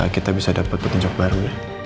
kita bisa dapat petunjuk baru